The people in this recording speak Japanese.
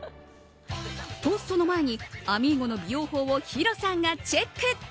と、その前にあみーゴの美容法をヒロさんがチェック。